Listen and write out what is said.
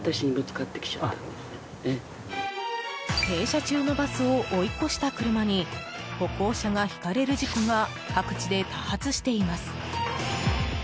停車中のバスを追い越した車に歩行者がひかれる事故が各地で多発しています。